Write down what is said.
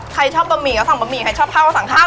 ใครชอบบะหมี่ก็สั่งบะหมี่ใครชอบข้าวก็สั่งข้าว